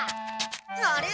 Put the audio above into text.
あれ？